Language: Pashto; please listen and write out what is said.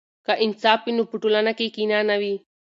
که انصاف وي نو په ټولنه کې کینه نه وي.